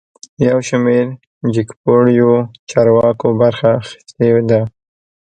یوشمیر جګپوړیو چارواکو برخه اخیستې ده